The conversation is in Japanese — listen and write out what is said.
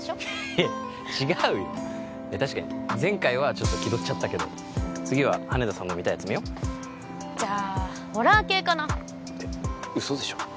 いや違うよいや確かに前回はちょっと気取っちゃったけど次は羽田さんの見たいやつ見よじゃあホラー系かなえっ嘘でしょ？